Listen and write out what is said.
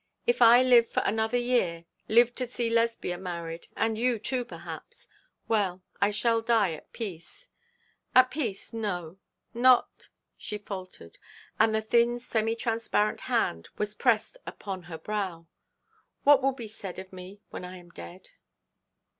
If I live for another year, live to see Lesbia married, and you, too, perhaps well, I shall die at peace. At peace, no; not ' she faltered, and the thin, semi transparent hand was pressed upon her brow. 'What will be said of me when I am dead?'